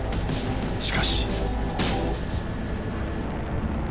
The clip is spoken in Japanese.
しかし。